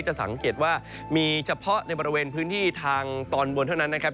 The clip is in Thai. จะสังเกตว่ามีเฉพาะในบริเวณพื้นที่ทางตอนบนเท่านั้นนะครับ